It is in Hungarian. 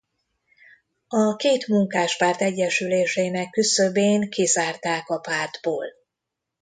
A két munkáspárt egyesülésének küszöbén kizárták a pártból.